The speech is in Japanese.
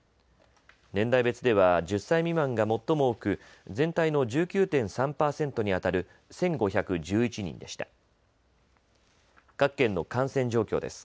年代別では１０歳未満が最も多く、全体の１９．３％に当たる１５１１人でした。